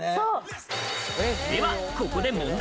ではここで問題。